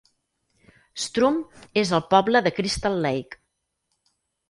Strum es el poble de Crystal Lake.